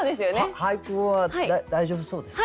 俳句は大丈夫そうですか？